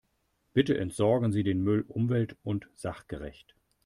Bitte entsorgen Sie den Müll umwelt- und sachgerecht.